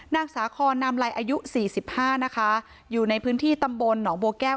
สาคอนนามไลอายุสี่สิบห้านะคะอยู่ในพื้นที่ตำบลหนองบัวแก้ว